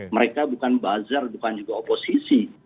mereka bukan bazar bukan juga oposisi